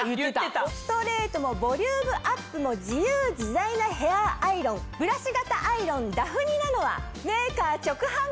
ストレートもボリュームアップも自由自在なヘアアイロンブラシ型アイロンダフニナノは。